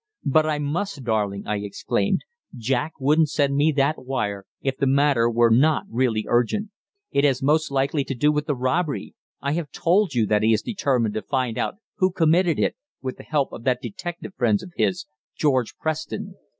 "But I must, darling," I exclaimed. "Jack wouldn't send me that wire if the matter were not really urgent. It has most likely to do with the robbery I have told you that he is determined to find out who committed it, with the help of that detective friend of his, George Preston.